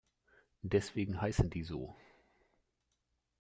Deswegen heißen die so.